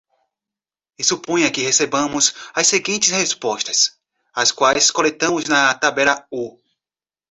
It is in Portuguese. E suponha que recebamos as seguintes respostas, as quais coletamos na tabela u.